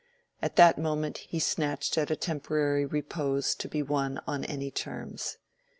At that moment he snatched at a temporary repose to be won on any terms.